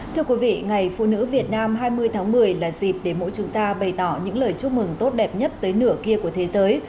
thưa quý vị ngày phụ nữ việt nam hai mươi tháng một mươi là dịp để mỗi chúng ta bày tỏ những lời chúc mừng tốt đẹp nhất tới nửa kia của thế giới